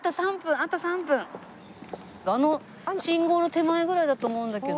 あの信号の手前ぐらいだと思うんだけどな。